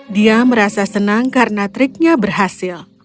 dia merasa senang karena triknya berhasil